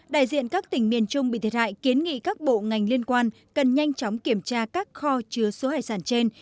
đại diện các tỉnh miền trung bị thiệt hại kiến nghị các bộ ngành liên quan cần nhanh chóng kiểm tra các kho chứa số hải sản trên